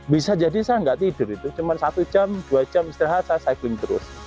bisa jadi saya nggak tidur itu cuma satu jam dua jam istirahat saya cycling terus